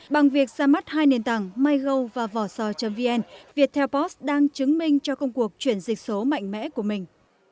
bằng việc ra mắt hai nền tảng migo và vòsò vn viettel post đang chứng minh cho công cuộc chuyển dịch số mạnh mẽ của mình